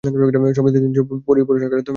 সম্প্রতি তিনি ছবি পরিবেশনার কাজে হাত দিয়েছেন।